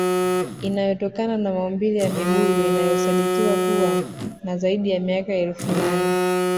Inayotokana na maumbile ya mibuyu inayosadikiwa kuwa na zaidi ya miaka elfu nane